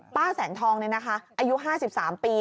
แสงทองนี่นะคะอายุ๕๓ปี